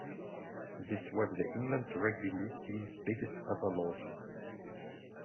This was the England rugby league team's biggest ever loss.